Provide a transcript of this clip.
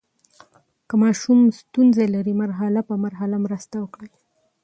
که ماشوم ستونزه لري، مرحله په مرحله مرسته وکړئ.